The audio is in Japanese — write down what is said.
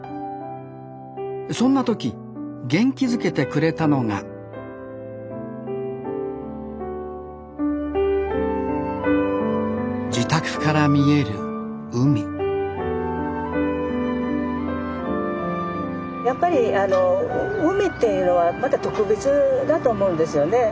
そんな時元気づけてくれたのが自宅から見える海やっぱり海っていうのはまた特別だと思うんですよね。